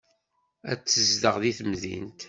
Ad tezdeɣ deg temdint.